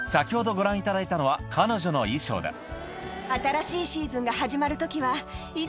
ご覧いただいたのは彼女の衣装だでも。